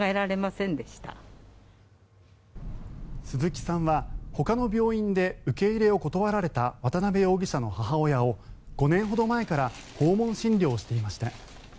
鈴木さんはほかの病院で受け入れを断られた渡辺容疑者の母親を５年ほど前から訪問診療していました。